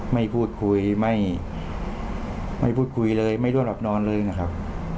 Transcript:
ไม่พูดคุยไม่ด้วยรอบนอนเลยนะครับ